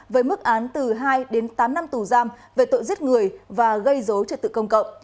với mức án từ hai đến tám năm tù giam về tội giết người và gây dối trật tự công cộng